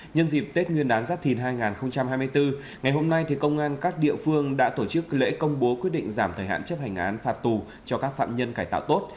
nhân dịp tết nguyên đán giáp thìn hai nghìn hai mươi bốn ngày hôm nay công an các địa phương đã tổ chức lễ công bố quyết định giảm thời hạn chấp hành án phạt tù cho các phạm nhân cải tạo tốt